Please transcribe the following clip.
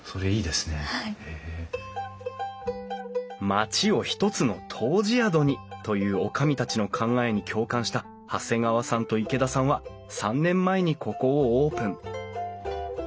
町を一つの湯治宿にという女将たちの考えに共感した長谷川さんと池田さんは３年前にここをオープン。